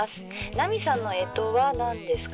奈美さんの干支は何ですか？」。